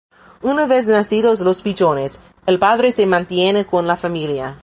Una vez nacidos los pichones, el padre se mantiene con la familia.